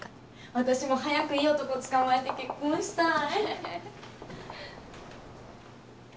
私も早くいい男つかまえて結婚したい。